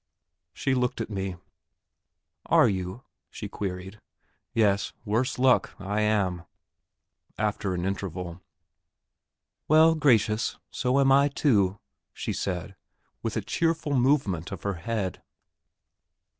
She looked at me. "Are you?" she queried. "Yes, worse luck, I am." After an interval. "Well, gracious, so am I, too," she said, with a cheerful movement of her head.